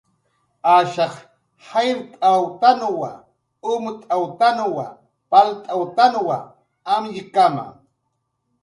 Ashaq jayrt'awtanwa, umt'awtanwa, palt'awtanwa amñkama